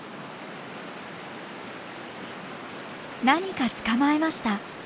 何か捕まえました。